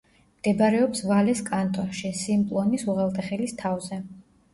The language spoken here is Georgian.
მდებარეობს ვალეს კანტონში, სიმპლონის უღელტეხილის თავზე.